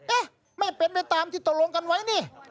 เอ๊ะไม่เป็นไปตามที่ตกลงกันไว้นี่